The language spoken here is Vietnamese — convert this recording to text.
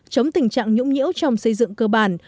chống tình trạng nhũng nhiễu trong xây dựng cơ bản